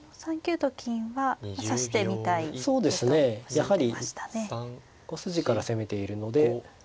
やはり５筋から攻めているので。